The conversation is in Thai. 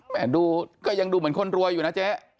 ดูก็ยังดูเหมือนคนรวยอยู่นะเจ๊